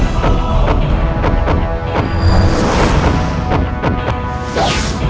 namun tidak mungkin vatican